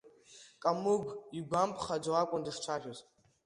Камыгә игәамԥхаӡо акәын дышцәажәоз.